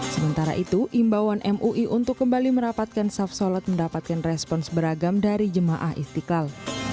sementara itu imbauan mui untuk kembali merapatkan safsolat mendapatkan respons beragam dari jemaah istiqlal